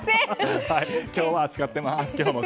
今日は扱ってます。